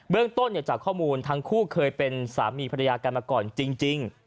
เรื่องต้นจากข้อมูลทั้งคู่เคยเป็นสามีภรรยากันมาก่อนจริง